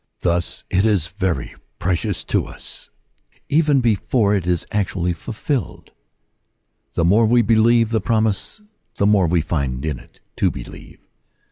Thus it is very precious to us even before it is actually fulfilled. The more we believe the promise, the more we find in it to believe.